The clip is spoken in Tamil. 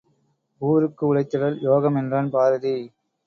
ஊருக்கு உழைத்திடல் யோகம் என்றான் பாரதி.